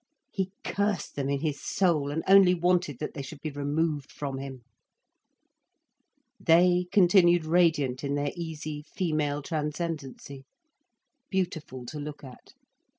He cursed them in his soul, and only wanted, that they should be removed from him. They continued radiant in their easy female transcendancy, beautiful to look at.